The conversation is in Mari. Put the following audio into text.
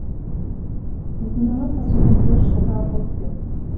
Нигунамат пасу ден тӧр шогал от керт!